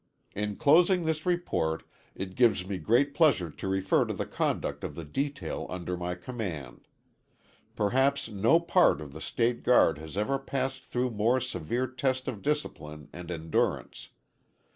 In closing this report, it gives me great pleasure to refer to the conduct of the detail under my command. Perhaps no part of the State Guard has ever passed through more severe test of discipline and endurance.